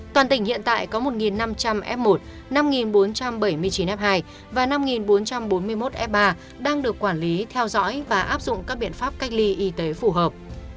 toàn tỉnh hiện tại có một năm trăm linh f một năm bốn trăm bảy mươi chín f hai và năm bốn trăm bốn mươi một f ba đang được quản lý theo dõi và áp dụng các biện pháp cách ly y tế phù hợp